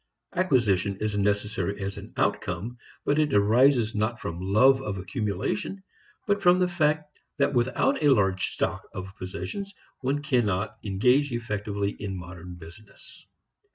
Acquisition is necessary as an outcome, but it arises not from love of accumulation but from the fact that without a large stock of possessions one cannot engage effectively in modern business.